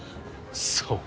そう？